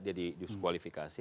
dia di disqualifikasi